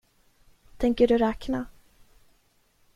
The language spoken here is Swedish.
Tänker du räkna?